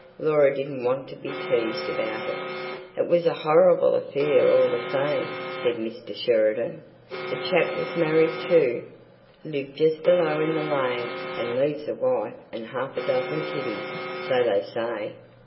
Laura didn't want to be teased about it. "It was a horrible affair all the same," said Mr. Sheridan. "The chap was married too. Lived just below in the lane, and leaves a wife and half a dozen kiddies, so they say."